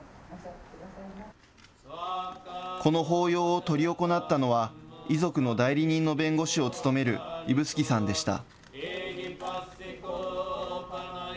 この法要を執り行ったのは、遺族の代理人の弁護士を務める指宿さんでした。